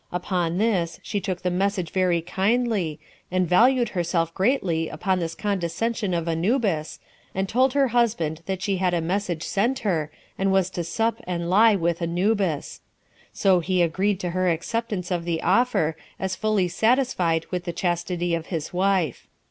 Upon this she took the message very kindly, and valued herself greatly upon this condescension of Anubis, and told her husband that she had a message sent her, and was to sup and lie with Anubis; so he agreed to her acceptance of the offer, as fully satisfied with the chastity of his wife.